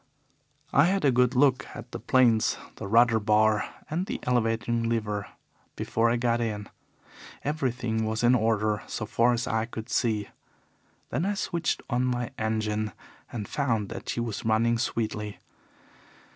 "I had a good look at the planes, the rudder bar, and the elevating lever before I got in. Everything was in order so far as I could see. Then I switched on my engine and found that she was running sweetly.